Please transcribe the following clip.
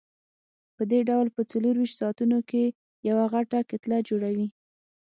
پدې ډول په څلورویشت ساعتونو کې یوه غټه کتله جوړوي.